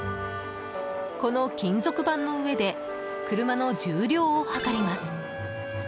この金属板の上で車の重量を量ります。